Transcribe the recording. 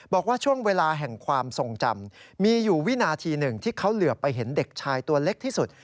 บอกว่าช่วงเวลาแห่งความทรงจำมีอยู่วินาทีหนึ่งที่เขาเหลือไปเห็นเด็กชายตัวเล็กที่สุด